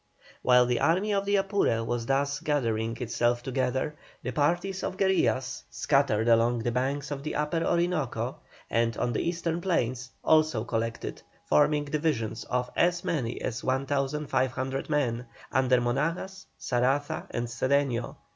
While the Army of the Apure was thus gathering itself together, the parties of guerillas, scattered along the banks of the Upper Orinoco, and on the eastern plains, also collected, forming divisions of as many as 1,500 men, under Monagas, Saraza and Cedeño.